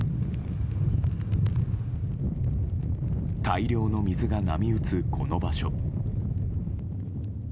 大量の水が波打つ、この場所。